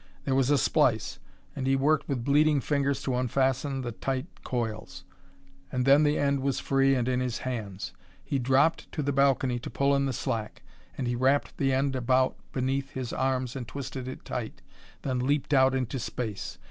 There was a splice, and he worked with bleeding fingers to unfasten the tight coils. And then the end was free and in his hands. He dropped to the balcony to pull in the slack, and he wrapped the end about beneath his arms and twisted it tight, then leaped out into space.